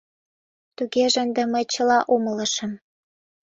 — Тугеже ынде мый чыла умылышым.